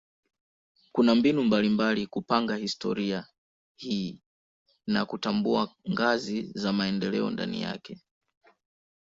Kuna mbinu mbalimbali kupanga historia hii na kutambua ngazi za maendeleo ndani yake.